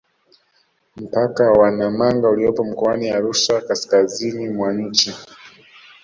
Mpaka wa Namanga uliopo mkoani Arusha kaskazini mwa nchi